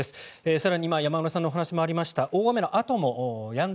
更に山村さんのお話にもありました大雨のあとやんだ